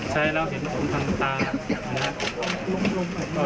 ใช้แล้วเห็นมันพังตา